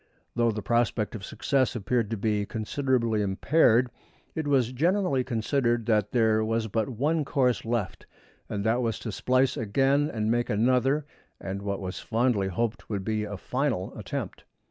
Though the prospect of success appeared to be considerably impaired it was generally considered that there was but one course left, and that was to splice again and make another and what was fondly hoped would be a final attempt.